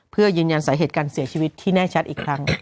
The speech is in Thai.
เพื่อยืนยันสาเหตุการเสียชีวิตที่แน่ชัดอีกครั้ง